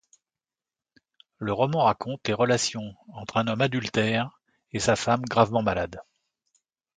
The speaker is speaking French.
Le roman raconte les relations entre un homme adultère et sa femme gravement malade.